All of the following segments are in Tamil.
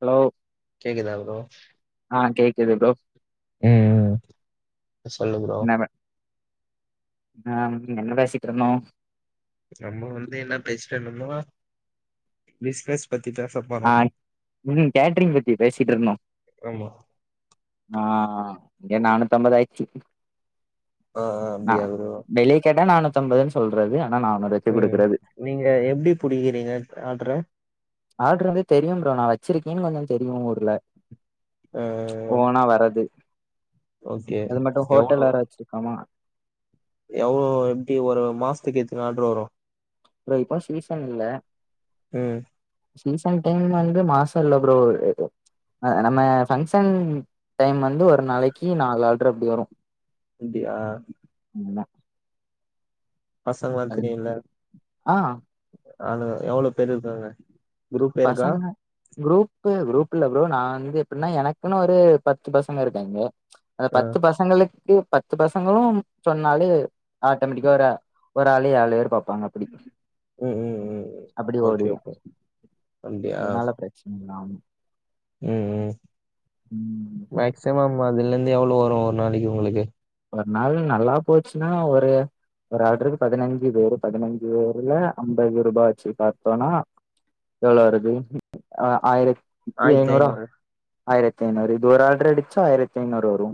ஹலோ கேக்குதா ப்ரோ ஆ கேக்குது ப்ரோ ம் சொல்லு ப்ரோ என்ன ஆ என்ன பேசிட்டு இருந்தோ நம்ம வந்து என்ன பேசிட்டுறுந்தோம்னா பிசினஸ் பத்தி பேசா போறோ ஆ ம் கேட்ரிங் பத்தி பேசிட்ருந்தோ ஆமா ஆ இங்க நாநூத் அம்பது ஆய்ச்சி ஆ ஆ அப்டியா ப்ரோ வெளியே கேட்டா நாநூத் அம்பதுன்னு சொல்றது ஆனா நாநூர்வக்கி ம் குடுக்குறது நீங்க எப்டி புடிக்கிறீங்க ஆட்ர ஆட்ரு வந்து தெரியு ப்ரோ நா வச்சிருக்கேன்னு கொஞ்சோ தெரியு ஊர்ல ஆ ஓனா வராது ஓகே அது மட்டு ஹோட்டல் எவ்ளோ வேற வச்சிருக்கோமா எவ்ளோ எப்டி ஒரு மாசத்துக்கு எத்தன ஆட்ரு வரு ப்ரோ இப்போ சீஷன் இல்ல ம் சீசன் டைம்ல வந்து மாச இல்ல ப்ரோ நம்ம ஃபங்க்ஷன் டைம் வந்து ஒரு நாளைக்கி நாலு ஆட்ரு அப்டி வரு அப்டியா ஆமா பசங்களா தெரியும்ல ஆ ஆளுக எவ்ளோ பேரு இருக்காங்க குரூப் இருக்கா பசங்க குரூப் குரூப்பு குரூப்ல ப்ரோ நா வந்து எப்டின்னா எனக்குன்னு ஒரு பத்து பசங்க இருக்காங்க அந்த ஆ பத்து பசங்களுக்கு பத்து பசங்களு சொன்னாலே ஆட்டோமேட்டிக்கா ஒரு ஒரு ஆளே ஏழு பேர் பாப்பாங்க அப்டி ம் ம் ம் அப்டி ஓகே ஓடிரு ஓகே அப்டியா அதனால ப்ரச்சனைல்லாம ம் ம் மேக்சிமம் அதுலேந்து எவ்ளோ வரு ஒரு நாளைக்கி உங்களுக்கு ஒரு நாள் நல்லா போச்சுன்னா ஒரு ஒரு ஆட்ருக்கு பதினஞ்சு பேரு பதினைஞ்சு பேருல ஐம்பது ரூபா வச்சு பாத்தோனா எவ்ளோ வருது அ ஆயிரத் தி ஆயிரத்தி ஐநூரா ஐநூறு ஆயிரத்த ஐநூறு இது ஒரு ஆட்ரு அடிச்சா ஆயிரத்த ஐநூறு வரு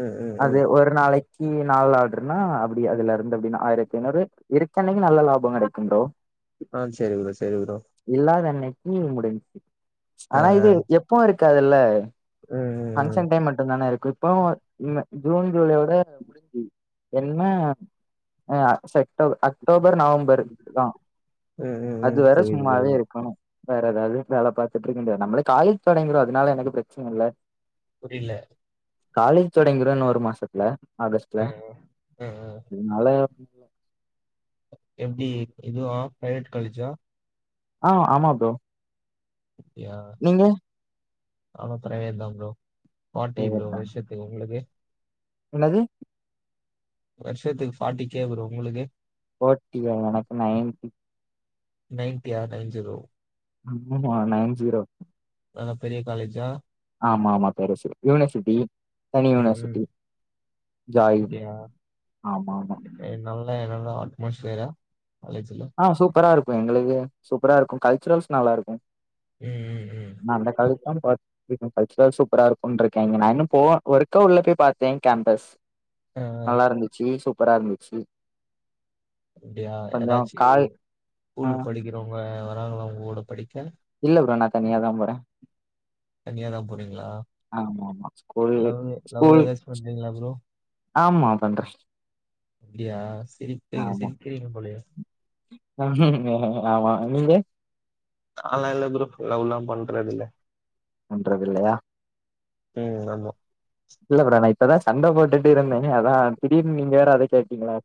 ம் ம் அது ம் ஒரு நாளைக்கி நாலு ஆட்ருன்னா அப்டி அதுல இருந்து அப்டின்னா ஆயிரத்தி ஐநூறு இருக்க அன்னைக்கி நல்ல லாபோ கெடைக்கு ப்ரோ ஆ சேரி ப்ரோ சேரி ப்ரோ இல்லாத அன்னைக்கி முடிஞ்ச்சு ஆ ஆனா இது எப்பவு இருக்காதுல்ல ம் ம் ஃபங்க்ஷன் டைம் மட்டும்தான இருக்கு இப்போ இம்மே ஜூன் ஜூலையோட முடிஞ்சு என்ன ஆ செக்டோப அக்டோபர் நவ ம்பரு தா ம் ம் ம் அது ம் வரை புரியுது புரியுது சும்மாவே இருக்கணு வேற ஏதாவுது வேல பாத்துட்டு இருக்க வேண்டியது நம்பளுக்கு காலேஜ் தொடங்கிடு அதனால எனக்கு ப்ரச்சன இல்ல புரியில காலேஜ் தொடங்கிடு இன்னோ ஒரு மாசத்துல ஆகஸ்ட்ல ஆ ஆ ஆ அதனால எப்டி இது பிரைவேட் காலேஜ்ஜா ஆ ஆமா ப்ரோ யா நீங்க அவ பிரைவேட் தா ப்ரோ ஃபாட்டி ப்ரோ வர்ஷத் உங்களுக்கு என்னது வருஷத்துக்கு ஃபாட்டிக்கே வரு உங்களுக்கு பார்ட்டி இல்ல எனக்கு நயன்டி நயன்டியா நயன் ஜீரோ ஆமா நயன் ஜீரோ நல்ல பெரிய காலேஜா ஆமா ஆமா பெரிசு யூனிவர்சிட்டி தனி ம் ம் யூனிவர்சிட்டி ஜாய் அப்டியா ஆமா ஆமா நல்ல என்னல்லா அட்மோஸ்பியரா காலேஜீல ஆ சூப்பரா இருக்கு எங்களுக்கு சூப்பரா இருக்கு கல்ச்சுரல்ஸ் நல்லா இருக்கு ம் ம் ம் நா அந்த காலேஜ் தா பாத் [unintelligible] கல்ச்சரல்ஸ் சூப்பரா இருக்கும்னு சொல்லிருக்கேங்க நா இன்னு போ ஒர்க்கா உள்ள போய் பாத்தே கேம்பஸ் ஆ நல்லாயிருந்துச்சி சூப்பரா இருந்துச்சி அப்டியா எதாச்சு ஆ ஸ்கூல் படிக்கிறவங்க வராங்களா உங்க கூட படிக்க இல்ல ப்ரோ நா தனியா தா போறே தனியாதா போறீங்களா ஆமா ஆமா ஸ்கூல் லவ் லவ் ஸ்கூல் எதாச்சு பண்றீங்களா ப்ரோ ஆமா பண்றே அப்டியா சிரிப்பே ஆமா சிரிப்பே போலயே ஆமா நீங்க நாலா இல்ல ப்ரோ லவ்லா பண்றது இல்ல பன்றதுல்லையா நீங்க சொல்லுவோ இல்ல ப்ரோ நா இப்பதா சண்ட போட்டுட்டு இருந்தேனே அதா திடீர்னு நீங்க வேற அத கேட்டிங்கலா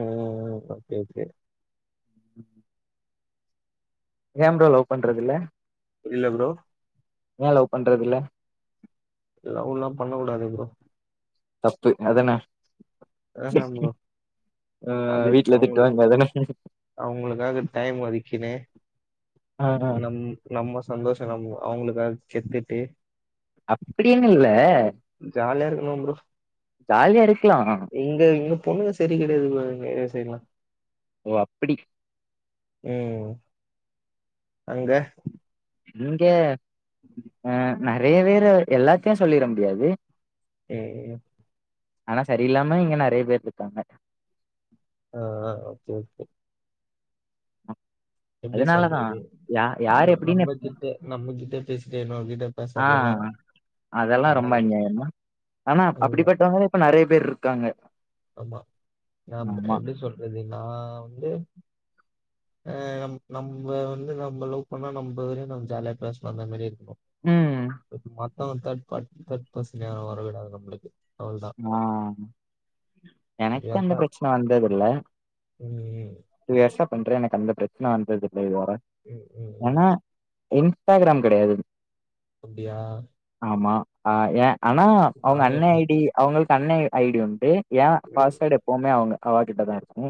ம் ஓகே ஓகே ஏ ப்ரோ லவ் பண்றதில்ல புரியல ப்ரோ ஏ லவ் பண்றதில்ல லவ்லா பண்ணக்கூடாது ப்ரோ தப்பு அதானே ஆஹா ப்ரோ ஆ வீட்ல திட்டுவா‌ங்க அதானே அவுங்களுக்காக டைம் ஒதுக்கினே ஆ நம் நம்ம சந்தோஷ நம்ம அவங்களுக்காக செத்துட்டு அப்டின்னு இல்ல ஜாலியாயிருக்கனு ப்ரோ ஜாலியா இருக்கலா எங்க இங்க பொண்ணுங்க சரி கிடையாது ப்ரோ எங்க ஏரியா சைடுலா ஓ அப்புடி ம் அங்க இங்கெ உம் நெறைய பேரு இருக்கு எல்லாத்தையு சொல்லிட முடியாது ஏ யு ஆனா சரியில்லாம இங்க நெறைய பேர் இருக்காங்க அ ஆ ஓகே ஓகே எப்டி அதனாலதா சொல்றது யா யார் நம்ம எப்டின்னு நம்ம கிட்ட நம்ம கிட்ட பேசிட்ட இன்னொரு கிட்ட ஆ பேசுறதெல்லாம் அதெல்லா ரொம்ப அதெல்லாம் அந்யாயண்ணா ஆனா அதுதான். அப்டிப்பட்டவங்க இப்ப நெறைய பேர் இருக்காங்க ஆமா நா ஆமா எப்டி சொல்றது நா வந்து நம்ம வந்து நம்ம லவ் பண்ணா நம்ம வரையு நம்ம ஜாலிய பேசலா அந்த மாரி ம் மத் மத்தவங்க தேட் பர்சன் யாரு வரவிடாது நம்மளுக்கு அவ்ளோ தா அ எனக்கு அந்த பிரச்சன வந்ததில்ல ம் டூ இயர்ஸா பண்றே எனக்கு அந்த பிரச்சன வந்தது இல்ல இது வர உம் உம் உம். ஏன்னா இன்ஸ்டாகிராம் கெடயாது அப்டியா ஆமா அ ஏ ஆனா அவங்க நானே அண்ண ஐ உம் டி அவங்களுக்கு அண்ண ஐ டி உண்டு ஏ உம் பாஸ்வேட் எப்பவுமே அவங்க அவகிட்டதா இருக்கு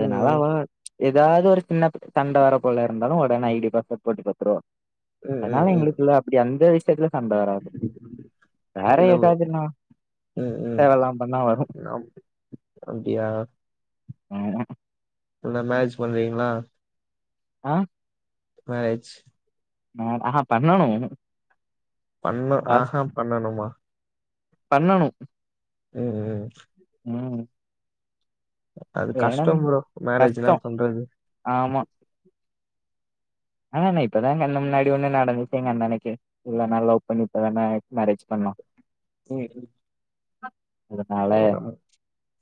உம் [unintelligible] எதாவது ஒரு சின்ன சண்ட வர போல இருந்தாலு ஒடனே ஐ டி பாஸ்வேர்ட் போட்டு பாத்துருவா உம் உம் அதனால உம். எங்களுக்குள்ள அப்டி அந்த விஷயத்துல சண்ட வராது வேற இல்ல எதாவதுனா ம் ம் அப்டியா ஆமா அப்டினா மேரேஜ் பண்ணுவீங்களா அ மேரேஜ் அ ஆஹா பண்ணணு பண்ண ஆஹா பண்ணணுமா பண்ணணு ம் ம் ம் அது கஷ்டோ ஏனம் ப்ரோ மேரேஜ் எல்லா கஷ்டம் பண்றது ஆமா ஆனா என்ன இப்பதா ஏ கண் முன்னாடி ஒண்ணு நடந்துச்சுனு எங்க அண்ணனுக்கே இவளோ நாள் லவ் பண்ணி இப்ப தானே மேரேஜ் பண்ணா [unintelligible] அதனால நம்ம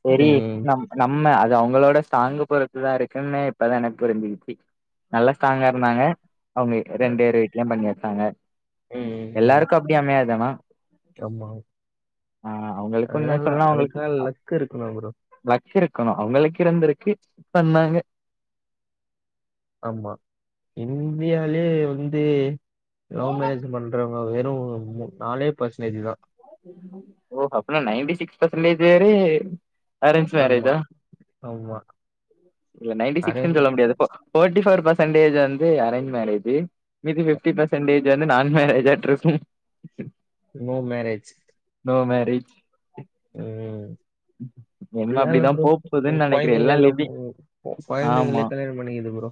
செரி ம். நம் நம்ம அது அவங்களோட ஸ்டாங்கு பொறுத்து தா இருக்குனு இப்பதா எனக்கு புரிஞ்சுக்கிச்சு நல்ல ஸ்டாங் சொன்னாங்க அவங்க அ, ரெண்டு பேரு வீட்லயு பண்ணி வெச்சாங்க ம், ம். எல்லாருக்கு அப்டி அமையாது ஆனா ஆமா. அ அவங்களுக்கு உண்மைய அதெல்லாம் இல்ல. சொல்னுனா அவங்களுக்கு அதுக்கெல்லாம் லக் இருக்கணும் ப்ரோ. லாக் இருக்கணு அவங்களுக்கு இருந்திருக்கு பண்ணாங்க ஆமா இந்தியாலேயே வந்து லவ் மேரேஜ் பண்ற வெறு மூ நாலே பர்சன்டேஜ் தா ஓ அப்டினா நைன்டி சிக்ஸ் பர்சன்டேஜ் பேரு அரேஞ் ஆமா, மேரேஜா ஆமா. நைட்டி சிக்சுனு சொல்ல அரேஞ்ச் முடியாது ஃபோர்ட்டி போர் பர்சென்டேஜ் வந்து அரேஞ்ச் மேரேஜ் மீதி பிப்டி பர்சன் சண்டேஜ் வந்து நா மேரேஜ்ட்டா இருக்கும் நோ மேரேஜ் நோ மேரேஜ் ம் என்ன அப்டிலா இல்ல அப்டிதா ப்ரோ போ இப்ப போதுன்னு நெனைக்கிறே எல்லா கொலந்தைளே லவ் லிவி பண் ஆமா கொலந்தைகளே கல்யாண பண்ணிக்குது ப்ரோ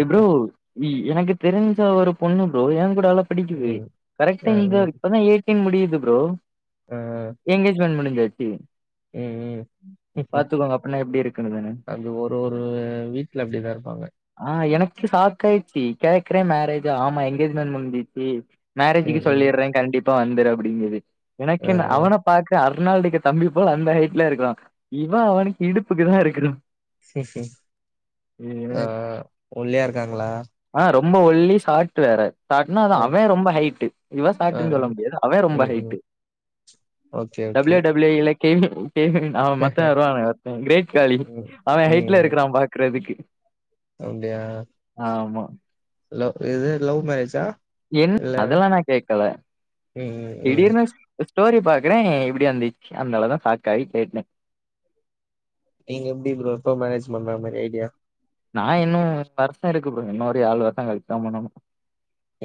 ஏ ப்ரோ இப்போ. எனக்கு தெரிஞ்ச ஒரு பொண்ணு ப்ரோ ஏ கூட வேல படிக்குது ம். அ, கரெக்டா அ, இந்த இப்பதா ஏ ட்டீன் முடியுது ப்ரோ அ. எங்கேஜ்மெண்ட் முடிஞ்சாச்சு ம் ம் பாத்துக்கோங்க அப்பன்னா எப்டி இருக்குன்னு தானே அது ஒரு ஒரு வீட்ல அப்டிதா இருப்பாங்க ஆஹ் எனக்கு சாக்காயிடுச்சு கேக்குறே மேரேஜா ஆமா எங்கேஜ்மெண்ட் முடிஞ்சிச்சு ம் மேரேஜுக்கு ம் சொல்லிடுறே கண்டிப்பா வந்துரு அப்டிங்குது அ எனக்கு என்ன அவன பாக்குறே அர்நால்டுக்கு தம்பி போ அந்த ஹைட்ல இருக்கிறா இவ அவனுக்கு இடுப்புக்கு தா இருக்குறா ஆஹ் ஒல்லியா இருக்காங்களா ஆ ரொம்ப ஒல்லி சாட்டு வேற ஷாட்னா தா அ அவே ரொம்ப ஹைட்டு இவ ஆ ஷாட்டுனு சொல்ல முடியாது அவே ரொம்ப ம் ஹைட்டு ம் ஓகே ஓகே டபிள்யூ டபிள்யூ இலக்கே அவே மத்தவே வருவானே ஒருத்தே கிரேட் காலி ம் அவன் ஹைட்ல ம் இருக்கிறான் பாக்குறதுக்கு அப்டியா ஆமா லவ் இது லவ் மேரேஜா என் இல்ல அதெல்லா நா கேக்கல ம் ம் ம் திடீர்னு ஸ்டோரி பாக்குறே இப்டி வந்துச்சு அதுனாலதா சாக்காயி கேட்டே நீங்க எப்டி ப்ரோ எப்போ மேரேஜ் பண்றாலானு ஒரு ஐடியா நா இன்னு வருஷோ இருக்கு ப்ரோ இன்னொரு ஏழு வருஷோ கழிச்சுதா பண்ணனு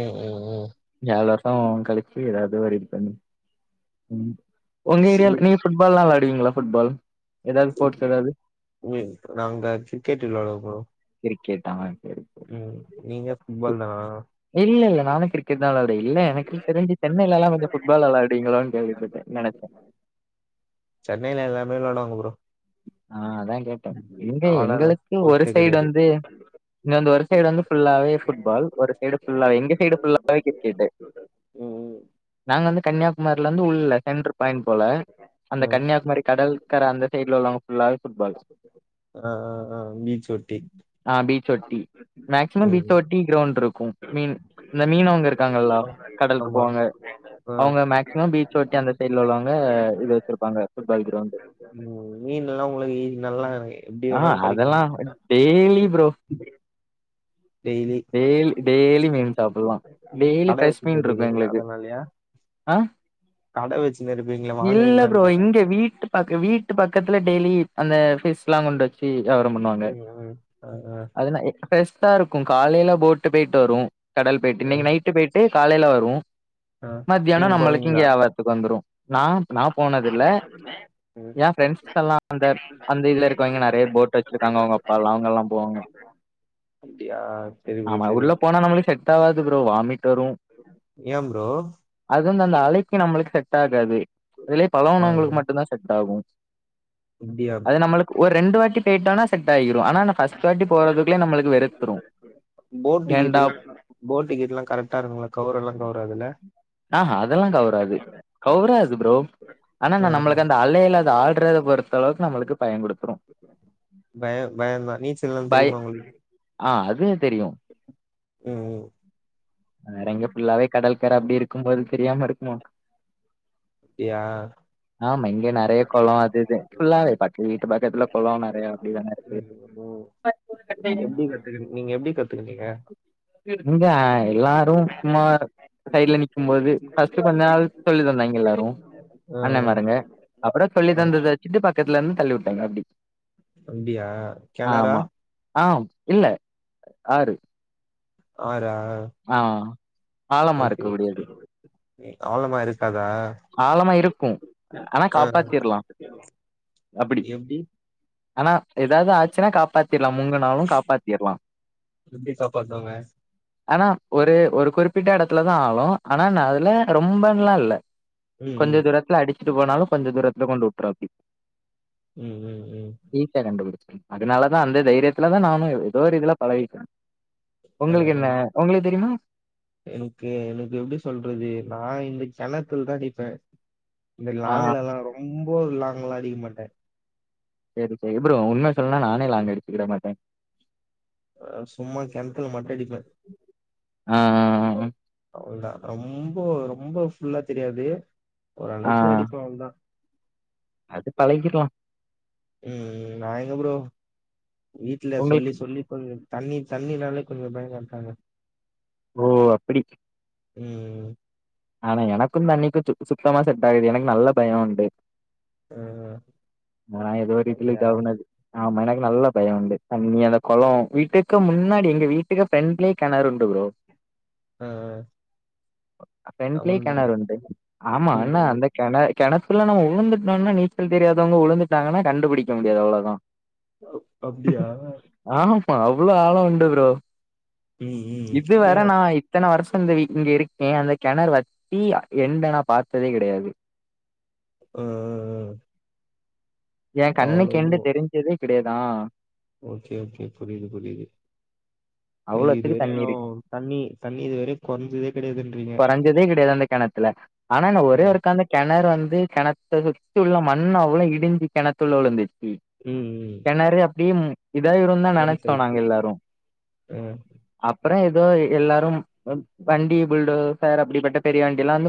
ம் ம் ம் ஏழு வருஷோ கழிச்சு ஏதாவது ஒரு பண்ணு ம் உங்க சரி ஏரியால நீங்க ஃபுட்பால்லா வெளாடுவீங்களா ஃபுட்பால் ஏதாவது ஸ்போர்ட்சு ஏதாவது ம் நாங்க கிரிக்கெட்டு விளையாட போறோ கிரிக்கெட் அ சேரி ம் நீங்க ஃபுட்பால் தானா இல்ல இல்ல நானு கிரிக்கெட் தா வெளா இல்ல எனக்கு தெரிஞ்சு சென்னைலல்லா கொஞ்சோ ஃபுட்பால் விளையாடிவிங்களோனு கேள்விபட்டே நெனச்சே சென்னைல எல்லாமே வெளாடுவாங்க ப்ரோ ஆஹ் அதா கேட்டே இங்க ஆடாத எங்களுக்கு ஒரு ஸ்போர்ட்ஸே சைடு கெடையாது வந்து இங்க வந்து ஒரு சைடு வந்து ஃபுல்லாவே ஃபுட்பால் ஒரு சைடு ஃபுல்லாவே எங்க சைடு ஃபுல்லாவே கிரிக்கெட்டு செரி ஹும் நாங்க வந்து கன்னியாகுமரியில இருந்து உள்ள சென்ட்ர் பாயிண்ட் போல அந்த ம் கன்னியாகுமரி கடல் கர அந்த சைடுல உள்ளவுங்க ஃபுல்லாவே ஃபுட்பால் ஆஹ் ஆஹ் ஆஹ் பீட்ச ஒட்டி ஆ பீச்ச ஒட்டி மேக்ஸிமம் ம் பீச் ஒட்டி கிரௌண்ட் இருக் கு மீன் இந்த மீனவங்க இருக்காங்களா கடலுக்கு ஆமா போவாங்க ஆ அவுங்க மேக்சிமம் பீச் ஒட்டி அந்த சைடுல உள்ளவுங்க இது வச்சிருப்பாங்க ஃபுட்பால் கிரௌண்ட்டு ம் மீன் எல்லா உங்களுக்கு இ நல்லா எப்டி ஆ வேணாலு கெடைக்கிதா அதெல்லா daily bro daily daily daily மீன் சாப்பிலா டெய்லி கட ஃப்ரெஷ் வச்சுட்டு மீன்ருக்கு இருக்கீங்களா எங்களுக்கு அதனாலயா அ கட வச்சுன்னு இருப்பீங்களா இல்ல வாங்குவீங்களான்னு ப்ரோ கேக்குறே இங்க வீட்டு பக்க வீட்டு பக்கத்துல டெய்லி அந்த ஃபிஷ்ல்லா கொண்டு வச் சி யாபாரம் பண்ணுவாங்க ம் ம் ஆ ஆ அதன எக்ஸ்பஸ் த்தாருக்கு காலேல போட்டு போயிட்டு வரு கடல் போயிட்டு ஆ இன்னைக்கி நைட்டு போயிட்டு காலேல வரு ஆ மத்தியானோ நீங்க நம்மளுக்கு இங்க போவீங்களா யாபாரத்துக்கு வந்துரு நா நா போனது இல்ல ம் என் ஃப்ரெண்ட்ஸ்க்கெல்லா அந்த அந்த இதுல இருக்கவய்ங்க நெறைய போட் டு வச்சிருக்காங்க அவுங்க அப்பால்லா அவுங்க எல்லா போவாங்க அப்டியா செரி ப்ரோ ஆமா செரி உள்ள போனா நம்மளுக்கு செட் ஆவாது ப்ரோ வாமிட் வரு ஏ ப்ரோ அது வந்து அந்த அலைக்கு நம்மளுக்கு செட் ஆகாது அதுலயே ஆ பழகுனவ்வுங்களுக்கு மட்டு தா செட் ஆகு அப்டியா அது நம்மளுக்கு ஒரு ரெண்டு வாட்டி போயிட்டோனா செட் ஆகிரு ஆனா ஃபஸ்ட்டு வாட்டி போறதுகுள்ளயே நம்மளுக்கு வெறுப் போட்டு கீட்டெல்லா போட்டு கீட்டெல்லா கரெக்டா இருக்கும்ள கவுரல்லா கவுராதுல ஆ ஹ அதெல்லா கவுராது கௌராது ப்ரோ ஆனா ஆ நா நம்மளுக்கு அந்த அலைல அது ஆடுறத பொறுத்த அளவுக்கு நம்மளுக்கு பயங் குடுத்துரு பயோ பயோதா நீச்சல்லா பய தெரியுமா உங்களுக்கு ஆ அது தெரியு ம் வேற எங்க புள்ளாவே கடல்கர அப்டி இருக்கும்போது தெரியாம இருக்குமா அப்டியா ஆமா இங்க நறைய குளோ அது இது ஃபுல்லாவே பக் வீட்டு பக்கத்துல குளோ நறைய அப்டிதான இருக்கு [unintelligible] [unintelligible] எப்டி கத்துகுன் நீங்க எப்டி கத்துக்கிட்டீங்க இங்க எல்லாரு சும்மா சைடுல நிக்கும்போது ஃபஸ்ட்டு கொஞ்ச நாள் சொல்லி தந்தாங்க எல்லாரு ஆ அண்ணன்மாருங்க அப்புட சொல்லி ஆ ஆ தந்தத வச்சுட்டு பக்கத்துல இருந்து தள்ளி வுட்டாய்ங்க அப்டி அப்டியா கெனரா ஆமா ஆ இல்ல ஆரு ஆறா ஆ அ ஆழமா இருக்க முடியாது எ அவ்ளமா இருக்காதா ஆழமா இருக்கு ஆனா ஆ காப்பாத்திர்லா அப்டி எப்டி ஆனா எதாது ஆச்சுன்னா காப்பாத் திர்லா முங்கு நாளு காப்பாத்திர்லா எப்டி காப்பாத்துவாங்க ஆனா ஒரு ஒரு குறிப்பிட்ட இடத்துல தா ஆளோ ஆனா அதுல ரொம்பன்லா இல்ல ம் கொஞ்ச ம் தூரத்துல அடிச்சுட்டு போனாலும் கொஞ்ச தூரத்துல கொண்டு வுட்டுறு அப்டி ம் ம் ம் வீட்ல கண்டுபுடிச்சது அதனாலதா அந்த தைரியத்துலதா நானு எ எதோ ஒரு இதுல பழகிட்ட ஆ உங்களுக்கு என்ன உங்களுக்கு தெரியுமா எனக்கு எனக்கு எப்டி சொல்றது நா இந்த கெனத்துல தா அடிப்பே இந்த ஆ லாங்லலா ரொம்போ லாங்லா அடிக்க மாட்டே சரி சரி ப்ரோ உண்ம சொல்னுனா நானே லாங் அடிச்சிக்கிட மாட்டே அ சும்மா கெணத்துல மட்டு அடிப்ப ஆ, அவோள்தா ரொம்போ ரொம்ப ஃபுல்லா தெரியாது ஆ, ஆ. ஓரளவுக்கு அடிப்ப அவ்தா அது பழகிற்லா ம் ம் நா எங்க ப்ரோ வீட்டல உங்களுக்கு சொல்லி சொல்லிப் பண்ணது தண்ணி தண்ணினாலே கொஞ்சோ பயங்காற்றாங்க ஓ அப்டி ம் ம் ஆனா எனக்கு தண்ணிக்கு சுத் சுத்தமா செட் ஆகாது எனக்கு நல்ல பயம் உண்டு ஆ ஆனா எதோ ஒரு இதுல அப்டியா இதாவுனது ஆமா எனக்கு நல்ல பயம் உண்டு தண்ணி அந்த குளம் வீட்டுக்கு முன்னாடி எங்க வீட்டுக்கு ஃப்ரெண்ட்லயே கெணறு உண்டு ப்ரோ ஆ ஃப்ரெண்ட்லயே அவன்தான் கெணறு உண்டு ஆமா ம் ஆனா ம் அந்த கெண கெணத்துல நம்ம உழுந்துட்டோம்னா நீச்சல் தெரியாதவங்க உழுந்துட்டாங்கனா கண்டுபுடிக்க முடியாது அவ்ளோதா [unintelligible] ஆமா அவ்ளோ ஆளோ உண்டு ப்ரோ ம் ம் இது வேர ஏன் நா இத்தன வருஷோ இந்த வீட் இங்க இருக்கே அந்த கெணறு வத்தி எண்ட நா பாத்ததே கிடையாது அ அ என் அவ்ளோ கண்ணுக்கெண்டு இதுவும் தெரிஞ்சதே கிடையாது ஆ ஓகே ஓகே புரியுது புரியுது அ அவ்ளோத்துக்கு தண்ணி இதுவரையு இருக்கு தண்ணி தண்ணி இதுவரையு குறைஞ்சதே கிடையாதுன்றீங்க சதே கிடையாது அந்த கெணத்துல ஆனா ஆ ஒரே ஒருக்காந்து கெணறு வந்து கெணத்தச்சுத்தி உள்ள மண் அவ்ளோ இடிஞ்சு கெணத்துள்ள உளுந்துச்சு ம் ம் இந்நரவே அப்டி இதாயிரும் தா நனைச்சோ நாங்க பெருசாயிடுச்சு எல்லாரு ஆ அப்றோ ஏதோ எல்லாரும் வண்டி புல்டோசர் அப்டிப்பட்ட பெரிய வண்டிலா வந்து